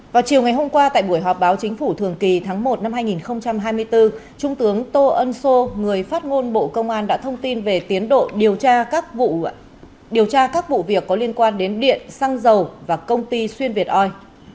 vào chiều ngày hôm qua tại buổi họp báo chính phủ thường kỳ tháng một năm hai nghìn hai mươi bốn trung tướng tô ân sô người phát ngôn bộ công an đã thông tin về tiến độ điều tra các vụ việc có liên quan đến điện xăng dầu và công ty xuyên việt oi